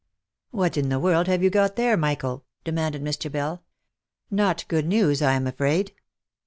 " What in the world have you got there, Michael?" demanded Mr. Bell. U Not good news, I am afraid?"